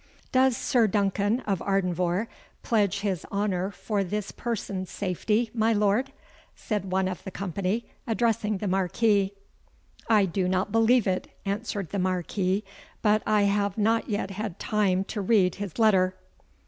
"Does Sir Duncan of Ardenvohr pledge his honour for this person's safety, my lord?" said one of the company, addressing the Marquis. "I do not believe it," answered the Marquis; "but I have not yet had time to read his letter."